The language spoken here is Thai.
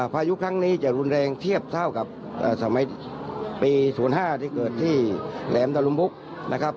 พายุครั้งนี้จะรุนแรงเทียบเท่ากับสมัยปี๐๕ที่เกิดที่แหลมตะลุมพุกนะครับ